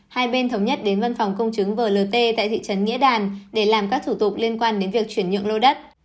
hai bên thống nhất đến văn phòng công chứng blt tại thị trấn nghĩa đàn để làm các thủ tục liên quan đến việc chuyển nhượng lô đất